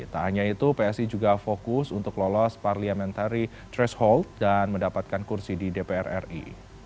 tak hanya itu psi juga fokus untuk lolos parliamentary threshold dan mendapatkan kursi di dpr ri